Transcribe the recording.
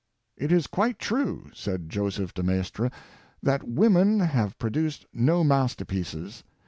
*^ It is quite true," said Joseph de Maistre, *'that women have pro duced no master pieces.